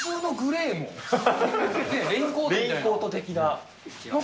レインコート的な。